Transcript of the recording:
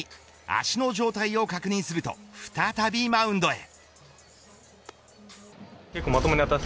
足の状態を確認すると再びマウンドへ。